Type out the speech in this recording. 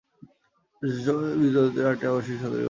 সেস্ময় বিদ্যালয়টিতে আটটি আবাসিক ছাত্রীনিবাস ছিল।